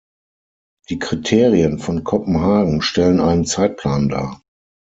Die Kriterien von Kopenhagen stellen einen Zeitplan dar.